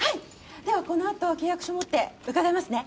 では、このあと契約書持って伺いますね。